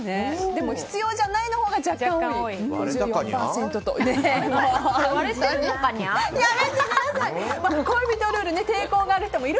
でも必要じゃないのほうが若干多い。